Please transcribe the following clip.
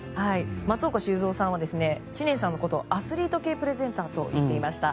松岡修造さんは知念さんのことをアスリート系プレゼンターと言っていました。